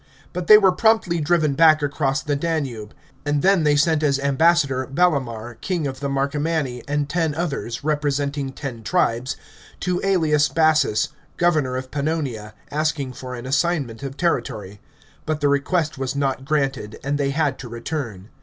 But they were promptly driven back across the Danube ; and then they sent as ambassador Ballomar, king of the Marcomanni, and ten others, representing ten tribes, to ^Elias Bassus, governor of Pan nonia, asking for an assignment of territory. But the request was not granted, and they had to return.